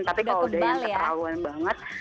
tapi kalau udah yang keterauan banget